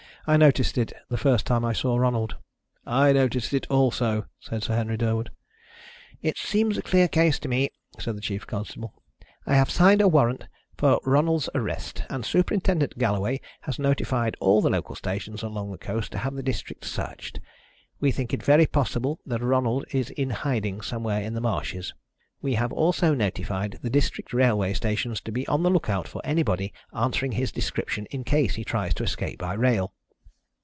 I noticed it the first time I saw Ronald." "I noticed it also," said Sir Henry Durwood. "It seems a clear case to me," said the chief constable. "I have signed a warrant for Ronald's arrest, and Superintendent Galloway has notified all the local stations along the coast to have the district searched. We think it very possible that Ronald is in hiding somewhere in the marshes. We have also notified the district railway stations to be on the lookout for anybody answering his description, in case he tries to escape by rail."